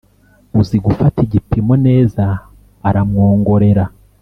uzigufata igipimo neza aramwongorera